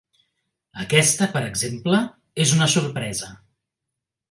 Aquesta, per exemple, és una sorpresa.